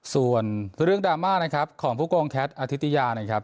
ส่วนเรื่องดราม่าของผู้โกงแคสอธิตยา